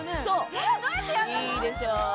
そう。